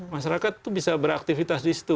masyarakat itu bisa beraktivitas di situ